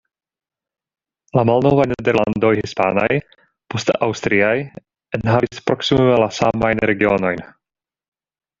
La malnovaj Nederlandoj hispanaj, poste aŭstriaj enhavis proksimume la samajn regionojn.